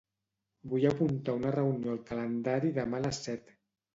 Vull apuntar una reunió al calendari demà a les set.